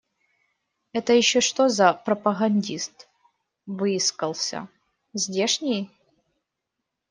Это еще что за пропагандист выискался? Здешний?